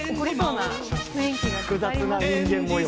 複雑な人間模様。